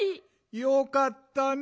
よかったね